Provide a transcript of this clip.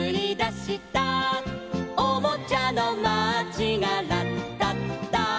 「おもちゃのマーチがラッタッタ」